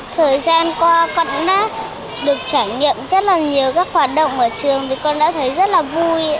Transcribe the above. thời gian qua con đã được trải nghiệm rất là nhiều các hoạt động ở trường thì con đã thấy rất là vui